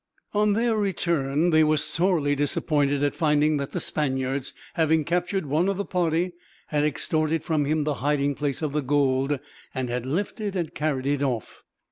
On their return, they were sorely disappointed at finding that the Spaniards, having captured one of the party, had extorted from him the hiding place of the gold, and had lifted and carried it off.